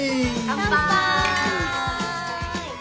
乾杯！